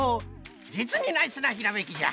じつにナイスなひらめきじゃ。